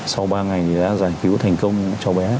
sau ba ngày thì đã giải cứu thành công cháu bé